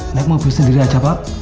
naik mobil sendiri aja pak